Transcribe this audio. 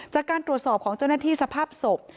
จากการตรวจสอบของเจ้าหน้าที่สภาพศพ